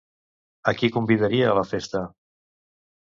A qui convidaria a la festa?